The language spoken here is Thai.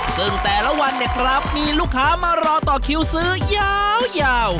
ซึ่งแต่ละวันเนี่ยครับมีลูกค้ามารอต่อคิวซื้อยาว